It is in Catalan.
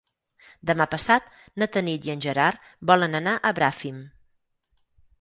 Demà passat na Tanit i en Gerard volen anar a Bràfim.